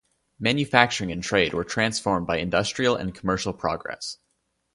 Manufacturing and trade were transformed by industrial and commercial progress.